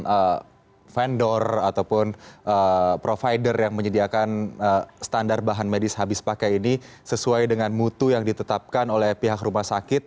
atau sudah disediakan pemerintah yang mendapatkan standar bahan medis habis pakai ini sesuai dengan mutu yang ditetapkan oleh pihak rumah sakit